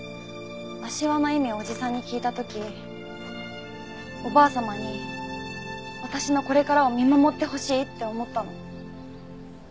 足環の意味をおじさんに聞いた時おばあ様に私のこれからを見守ってほしいって思ったの。